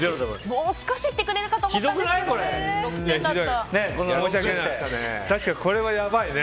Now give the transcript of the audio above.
もう少しいってくれるかと思ったんですけどね。